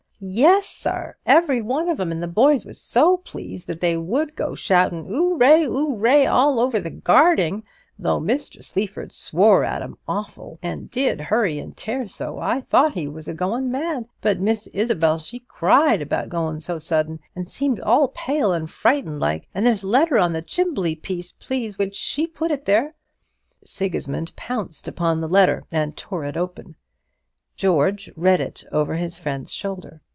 "Yes, sir, every one of 'em; and the boys was so pleased that they would go shoutin' 'ooray, 'ooray, all over the garding, though Mr. Sleaford swore at 'em awful, and did hurry and tear so, I thought he was a goin' mad. But Miss Isabel, she cried about goin' so sudden and seemed all pale and frightened like. And there's a letter on the chimbley piece, please, which she put it there." Sigismund pounced upon the letter, and tore it open. George read it over his friend's shoulder.